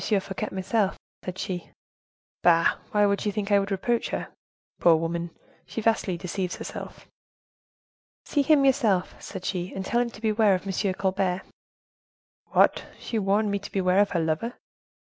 Fouquet myself,' said she." "Bah! why should she think I would reproach her? Poor woman, she vastly deceives herself." "'See him yourself,' said she, 'and tell him to beware of M. Colbert.'" "What! she warned me to beware of her lover?"